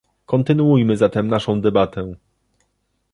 Kontynuujmy zatem naszą debatę